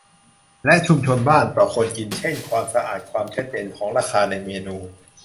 และชุมชนบ้าง ต่อคนกินเช่น ความสะอาด ความชัดเจนของราคาในเมนู